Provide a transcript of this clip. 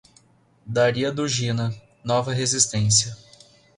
Daria Dugina, Nova Resistência